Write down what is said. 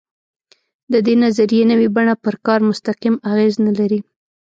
د دې نظریې نوې بڼه پر کار مستقیم اغېز نه لري.